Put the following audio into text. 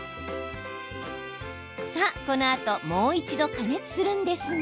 さあ、このあともう一度、加熱するんですが